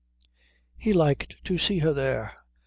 He liked to see her there.